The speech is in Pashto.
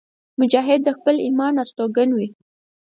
مجاهد د خپل ایمان استوګن وي.